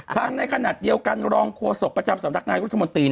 ในขณะเดียวกันรองโฆษกประจำสำนักนายรัฐมนตรี